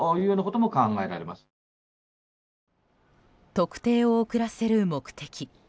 特定を遅らせる目的。